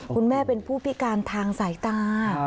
คุณแม่เป็นผู้พิการทางสายตา